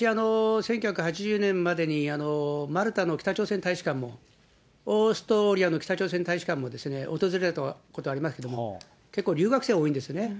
私、１９８０年までにマルタの北朝鮮大使館も、オーストリアの北朝鮮大使館も訪れたことありますけども、結構留学生多いんですね。